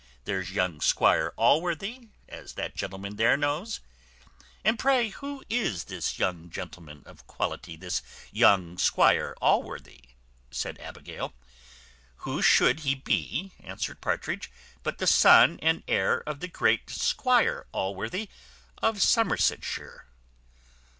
There's young Squire Allworthy, as that gentleman there knows." "And pray who is this young gentleman of quality, this young Squire Allworthy?" said Abigail. "Who should he be," answered Partridge, "but the son and heir of the great Squire Allworthy, of Somersetshire!"